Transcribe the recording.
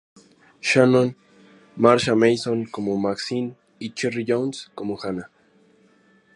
Shannon, Marsha Mason como Maxine y Cherry Jones como Hannah.